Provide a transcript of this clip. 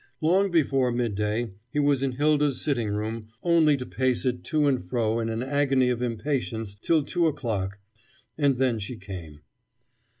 Long before midday he was in Hylda's sitting room, only to pace it to and fro in an agony of impatience till two o'clock and then she came.